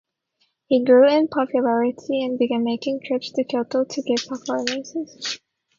He grew in popularity, and began making trips to Kyoto to give performances.